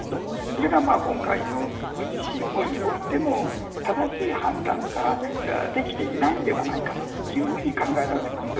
それが今回の軍事侵攻においても正しい判断ができていないのではないかというふうに考えられます。